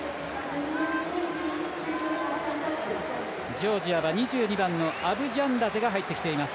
ジョージアは２２番のアブジャンダゼ入ってきています。